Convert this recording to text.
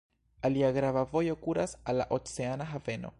Alia grava vojo kuras al la oceana haveno.